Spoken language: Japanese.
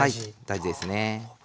大事ですね。